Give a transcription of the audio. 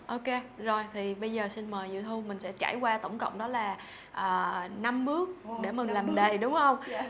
ok rồi thì bây giờ xin mời diệu thu mình sẽ trải qua tổng cộng đó là năm bước để mình làm đầy đúng không